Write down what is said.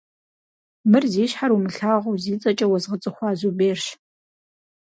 Мыр зи щхьэр умылъагъуу зи цӏэкӏэ уэзгъэцӏыхуа Зуберщ.